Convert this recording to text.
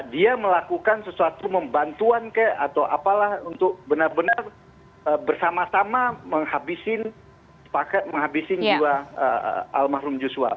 dia melakukan sesuatu membantuan ke atau apalah untuk benar benar bersama sama menghabisin menghabisin jiwa al mahrum yuswa